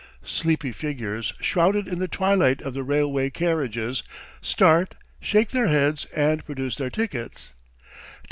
Sleepy figures, shrouded in the twilight of the railway carriages, start, shake their heads, and produce their tickets.